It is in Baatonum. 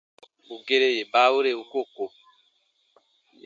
Bù gere yè baawere u koo ko.